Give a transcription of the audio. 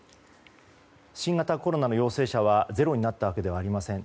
新型コロナの陽性者はゼロになったわけではありません。